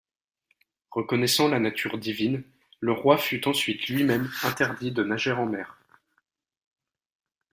Reconnaissant la nature divine, le roi fut ensuite lui-même interdit de nager en mer.